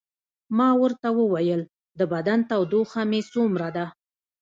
ما ورته وویل: د بدن تودوخه مې څومره ده؟